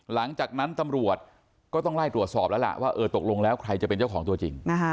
หลังจากนั้นตำรวจก็ต้องไล่ตรวจสอบแล้วล่ะว่าเออตกลงแล้วใครจะเป็นเจ้าของตัวจริง